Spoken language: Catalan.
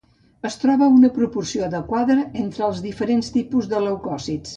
Es troba una proporció adequada entre els diferents tipus de leucòcits.